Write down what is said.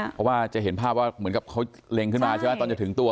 เพราะว่าจะเห็นภาพว่าเหมือนกับเขาเล็งขึ้นมาใช่ไหมตอนจะถึงตัว